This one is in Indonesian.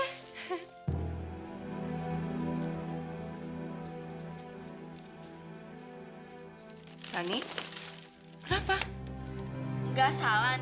nih yang regrets kamu apa